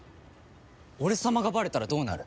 俺様がバレたらどうなる？